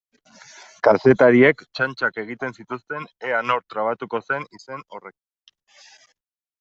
Kazetariek txantxak egiten zituzten ea nor trabatuko zen izen horrekin.